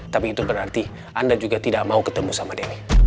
tapi itu berarti anda juga tidak mau ketemu sama dewi